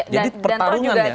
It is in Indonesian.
jadi pertarungan ya